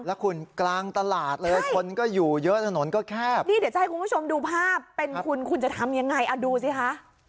แล้วคุณกลางตลาดเลยคนก็อยู่เยอะถนนก็แคบนี่เดี๋ยวจะให้คุณผู้ชมดูภาพเป็นคุณคุณจะทำยังไงอ่ะดูสิคะ